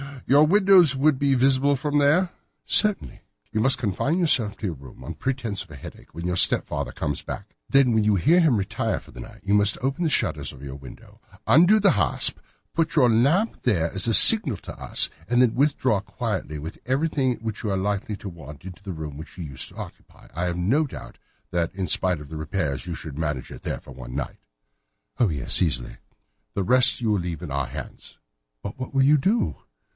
Your windows would be visible from there?" "Certainly." "You must confine yourself to your room, on pretence of a headache, when your stepfather comes back. Then when you hear him retire for the night, you must open the shutters of your window, undo the hasp, put your lamp there as a signal to us, and then withdraw quietly with everything which you are likely to want into the room which you used to occupy. I have no doubt that, in spite of the repairs, you could manage there for one night." "Oh, yes, easily." "The rest you will leave in our hands." "But what will you do?"